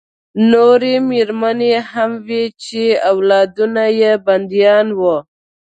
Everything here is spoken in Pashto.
نورې مېرمنې هم وې چې اولادونه یې بندیان وو